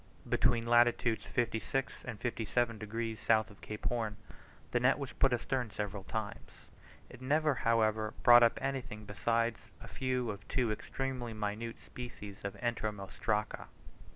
Between latitudes 56 and 57 degs. south of Cape Horn, the net was put astern several times; it never, however, brought up anything besides a few of two extremely minute species of Entomostraca.